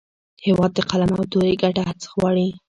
هېواد د قلم او تورې ګډه هڅه غواړي.